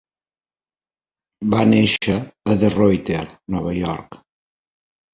Va néixer a De Ruyter, Nova York.